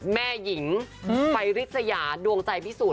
แม่หญิงไฟริสยาดวงใจพิสูจน